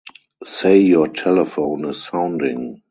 Say your telephone is sounding.